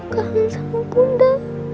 kau sama bunda